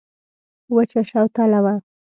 وچه شوتله وه.